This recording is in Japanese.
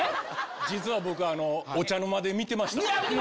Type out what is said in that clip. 実は僕、お茶の間で見てました。